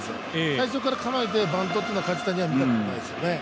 最初から構えてバントというのは梶谷は見たことないですね。